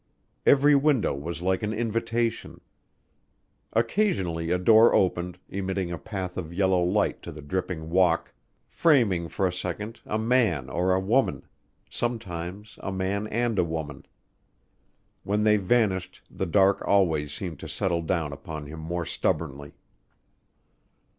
Every window was like an invitation. Occasionally a door opened, emitting a path of yellow light to the dripping walk, framing for a second a man or a woman; sometimes a man and a woman. When they vanished the dark always seemed to settle down upon him more stubbornly.